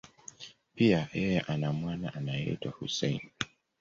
Pia, yeye ana mwana anayeitwa Hussein.